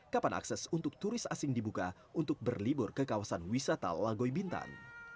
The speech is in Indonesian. kapan akses untuk turis asing dibuka untuk berlibur ke kawasan wisata lagoy bintan